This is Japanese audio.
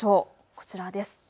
こちらです。